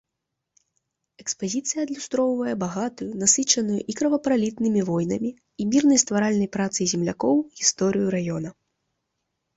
Экспазіцыя адлюстроўвае багатую, насычаную і кровапралітнымі войнамі, і мірнай стваральнай працай землякоў гісторыю раёна.